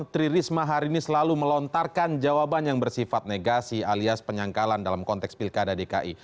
tri risma hari ini selalu melontarkan jawaban yang bersifat negasi alias penyangkalan dalam konteks pilkada dki